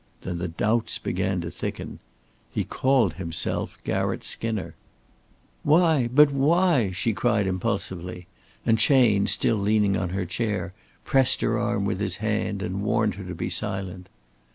Then the doubts began to thicken. He called himself Garratt Skinner. "Why? But why?" she cried, impulsively, and Chayne, still leaning on her chair, pressed her arm with his hand and warned her to be silent.